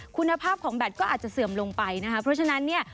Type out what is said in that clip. คุณภาพของแบตก็อาจจะเสื่อมลงไปนะคะเพราะฉะนั้นเนี่ย